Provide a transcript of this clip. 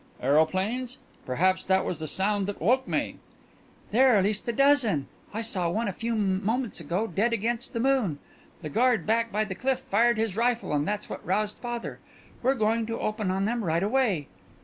"Aeroplanes? Perhaps that was the sound that woke me." "There're at least a dozen. I saw one a few moments ago dead against the moon. The guard back by the cliff fired his rifle and that's what roused father. We're going to open on them right away."